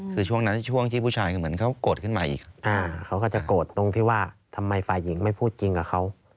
คือช่วงนั้นช่วงที่ผู้ชายเหมือนเขากดขึ้นมาอีก